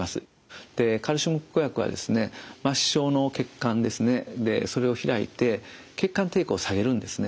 カルシウム拮抗薬は末梢の血管を開いて血管抵抗を下げるんですね。